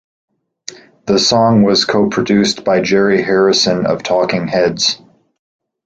The song was co-produced by Jerry Harrison of Talking Heads.